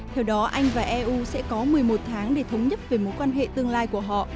theo đó anh và eu sẽ có một mươi một tháng để thống nhất về mối quan hệ tương lai của họ